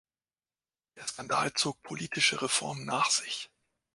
Der Skandal zog politische Reformen nach sich.